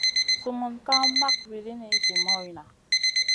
Sumun ka mak wulini zi moyna.